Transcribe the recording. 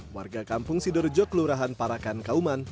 warga kampung sidorejo kelurahan parakan kauman